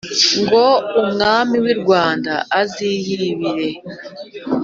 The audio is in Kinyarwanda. ngo umwami w’i rwanda aziyimbire.